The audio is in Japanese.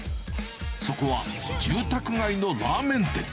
そこは、住宅街のラーメン店。